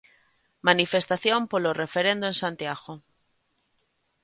Manifestación polo referendo en Santiago.